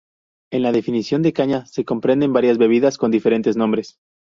En la definición de caña se comprenden varias bebidas con diferentes nombres.